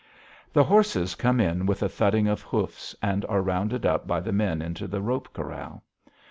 The horses come in with a thudding of hoofs and are rounded up by the men into the rope corral.